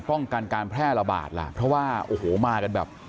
ป้องกันการแพร่ระบาดล่ะเพราะว่าโอ้โหมากันแบบ